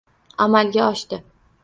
— Amalga oshdi!!!